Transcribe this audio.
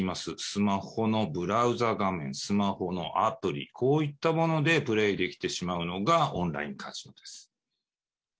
スマホのブラウザ画面、スマホのアプリ、こういったものでプレーできてしまうのが、オンラインカジノです。